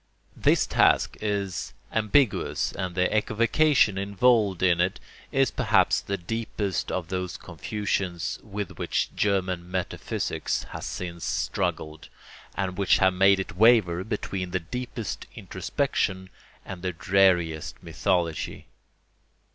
This task is ambiguous, and the equivocation involved in it is perhaps the deepest of those confusions with which German metaphysics has since struggled, and which have made it waver between the deepest introspection and the dreariest mythology.